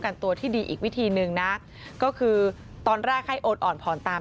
กันตัวที่ดีอีกวิธีหนึ่งนะก็คือตอนแรกให้โอนอ่อนผ่อนตาม